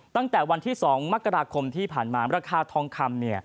ตั้งแต่วันที่๒มกราคมที่ผ่านมาราคาทองคำ